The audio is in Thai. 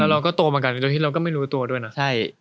เราก็โตมากันโดยที่เราก็ไม่รู้ตัวด้วยนะใช่